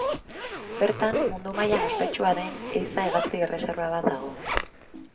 Bertan mundu mailan ospetsua den ehiza hegazti erreserba bat dago.